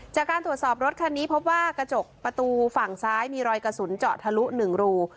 จากการตรวจสอบรถคันนี้พบว่ากระจกประตูฝั่งซ้ายมีรอยกระสุนเจาะทะลุ๑รู